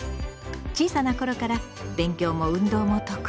小さな頃から勉強も運動も得意。